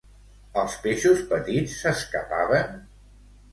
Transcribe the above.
Els peixos petits s'escapaven?